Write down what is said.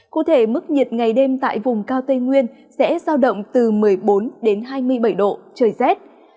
cụ thể mức nhiệt ngày đêm tại vùng cao tây nguyên sẽ giao động từ một mươi bốn đến hai mươi bảy độ trời rét